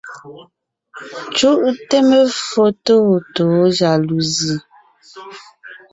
Cúʼte meffo tôtǒ jaluzi.